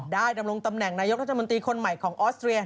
ได้ตำรงตำแหน่งนายกประสมมติคนใหม่ของออสเตีย